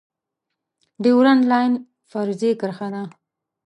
ډیورنډ لاین فرضي کرښه ده